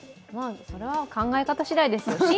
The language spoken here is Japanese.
それは考え方しだいですよ